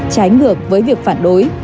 trái ngược với việc phản đối